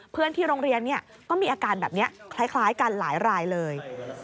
เพื่อนที่โรงเรียนก็มีอาการแบบนี้คล้ายกันหลายรายเลย